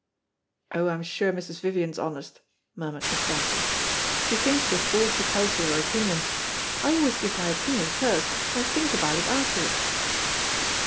"Oh, I'm sure Mrs. Vivian's honest," murmured Miss Grantham. "She thinks before, she tells you her opinion. I always give my opinion first, and think about it afterwards."